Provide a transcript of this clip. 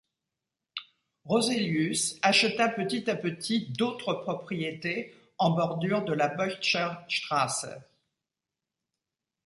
Roselius acheta petit à petit d'autres propriétés en bordure de la Böttcherstrasse.